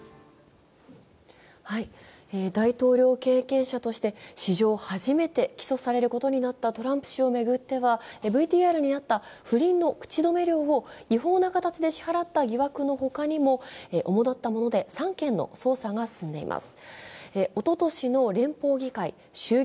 大統領経験者として史上初めて起訴されることになったトランプ前大統領を巡ってはＶＴＲにあった不倫の口止め料を違法な形で支払った他にも、主立ったもので３件の捜査が進んでいます。